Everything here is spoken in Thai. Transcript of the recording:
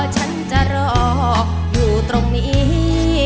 ฉันจะรออยู่ตรงนี้